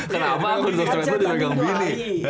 kenapa akun sosmed lu dipegang bini